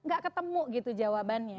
gak ketemu gitu jawabannya